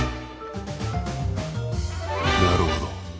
なるほど。